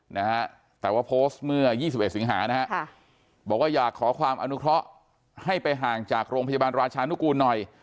นะฮะแต่ว่าโพสต์เมื่อยี่สิบเอ็ดสิงหานะฮะค่ะบอกว่าอยากขอความอนุเคราะห์ให้ไปห่างจากโรงพยาบาลราชานุกูลหน่อย